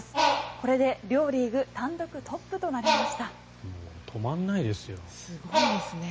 これで両リーグ単独トップとなりました。